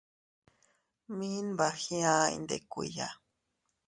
Mi nbagiaʼa iyndikuiya.